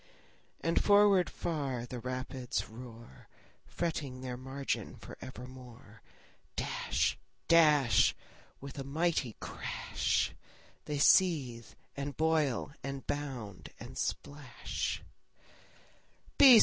And forward far the rapids roar, Fretting their margin for evermore. Dash, dash, With a mighty crash, They seethe, and boil, and bound, and splash.